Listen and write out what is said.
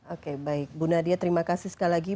oke baik bu nadia terima kasih sekali lagi